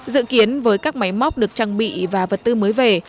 dự kiến với các máy móc được trang bị và vật tư mới về